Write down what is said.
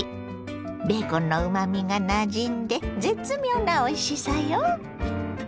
ベーコンのうまみがなじんで絶妙なおいしさよ。